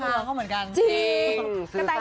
พวกเราก็เป็นผู้ค้าเขาเหมือนกันจริง